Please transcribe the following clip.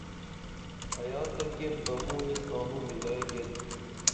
ایا تہ گیپ بہ موں ایس تانوں ملائی گیت